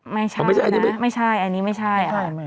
ไม่ใช่นะไม่ใช่อันนี้ไม่ใช่ค่ะ